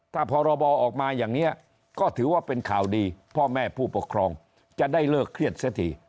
ถ้าพรบออกมาอย่างนี้ก็ถือว่าเป็นข่าวดีพ่อแม่ผู้ปกครองจะได้เลิกเครียดเสียที